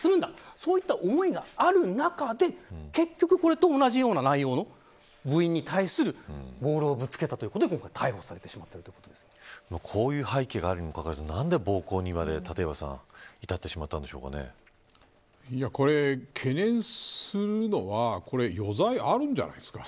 そういった思いがある中で結局、これと同じような内容の部員に対するボールをぶつけたという事で逮捕されてしまっこういう背景があるにもかかわらず何で暴行にまでこれ、懸念するのはこれ、余罪があるんじゃないですか。